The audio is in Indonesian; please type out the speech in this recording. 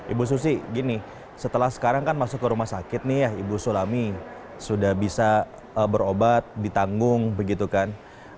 ibu susi gini setelah sekarang kan masuk ke rumah sakit nih ya ibu sulami sudah bisa berobat ditanggung begitu kan